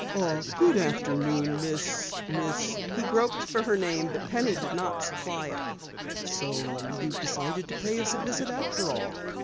"Ah, good afternoon, Miss " He groped for her name but Penny did not supply it. "So you decided to pay us a visit after all."